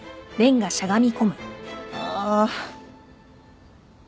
ああ。